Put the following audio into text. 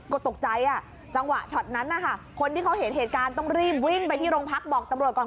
ก็ตกใจอ่ะจังหวะช็อตนั้นนะคะคนที่เขาเห็นเหตุการณ์ต้องรีบวิ่งไปที่โรงพักบอกตำรวจก่อน